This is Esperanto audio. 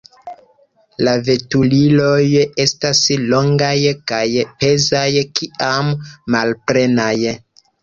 La veturiloj estas longaj, kaj pezaj kiam malplenaj.